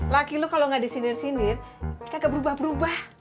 laki lo kalau nggak disinir sinir kagak berubah berubah